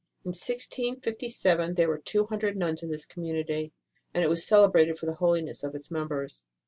In 1657 there were two hundred nuns in this community, and it was celebrated for the holiness of its members.